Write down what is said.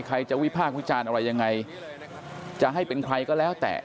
ใครจะวิพากษ์วิจารณ์อะไรยังไงจะให้เป็นใครก็แล้วแต่